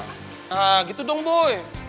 nah gitu dong boy